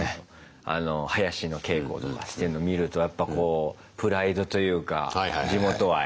あの囃子の稽古とかしてんの見るとやっぱこうプライドというか地元愛。